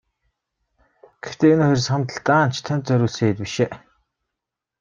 Гэхдээ энэ хоёр сандал даанч түүнд зориулагдсан эд биш ээ.